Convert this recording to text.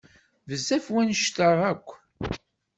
Bezzaf wanect-a akk.